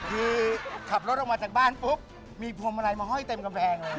คือขับรถออกมาจากบ้านปุ๊บมีพวงมาลัยมาห้อยเต็มกำแพงเลย